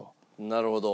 なるほど。